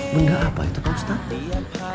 benda apa itu kan ustaz